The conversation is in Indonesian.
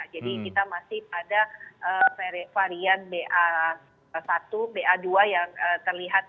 jadi kita masih pada varian ba satu ba dua yang terlihat mulai terjadi peningkatan tapi varian omicron lainnya belum kita temukan sampai saat ini